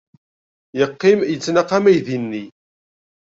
Yeqqim yettnaqam aydi-nni.